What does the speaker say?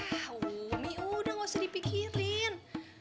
yah umi udah gak usah dipikirin